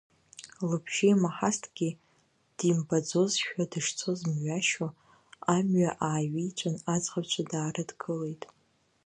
Лбжьы имаҳазҭгьы, димбаӡозшәа дышцоз мҩашьо, амҩа ааиҩиҵәан, аӡӷабцәа даарыдгылеит.